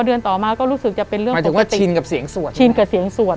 เดือนต่อมาก็รู้สึกจะเป็นเรื่องหมายถึงว่าชินกับเสียงสวดชินกับเสียงสวด